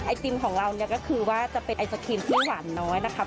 ติมของเราเนี่ยก็คือว่าจะเป็นไอศครีมที่หวานน้อยนะคะ